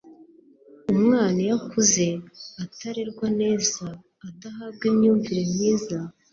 umwana iyo akuze atarerwa neza adahabwa imyumvire myiza